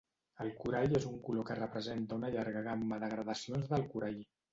El corall és un color que representa una llarga gamma de gradacions del corall.